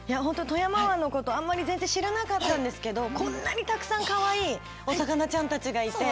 富山湾のことあんまり全然知らなかったんですけどこんなにたくさんかわいいお魚ちゃんたちがいて。